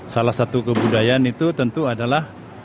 salah satu kebudayaan itu tentu adalah